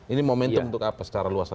ini momentum untuk apa secara luas